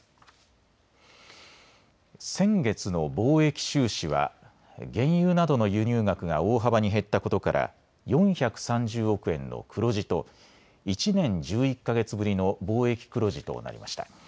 先月の貿易収支は原油などの輸入額が大幅に減ったことから４３０億円の黒字と１年１１か月ぶりの貿易黒字となりました。